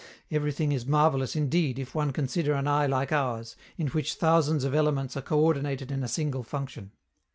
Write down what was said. Everything is marvelous, indeed, if one consider an eye like ours, in which thousands of elements are coördinated in a single function.